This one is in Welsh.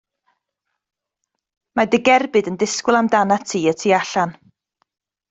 Mae dy gerbyd yn disgwyl amdanat ti y tu allan.